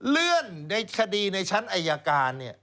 เลื่อนในคดีในชั้นอายการ